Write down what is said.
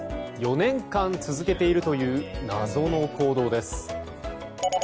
４年間続けているという謎の行動です。